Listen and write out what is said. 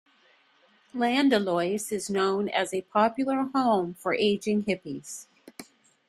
Llanidloes is known as a popular home for ageing hippies.